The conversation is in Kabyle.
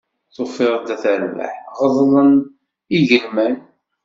Tufiḍ-d at rbaḥ ɣeḍlen igelman.